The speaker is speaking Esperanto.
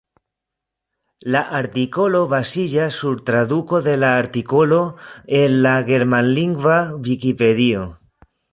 La artikolo baziĝas sur traduko de la artikolo en la germanlingva vikipedio.